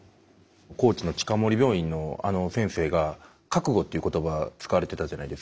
高知の近森病院の先生が覚悟という言葉を使われてたじゃないですか。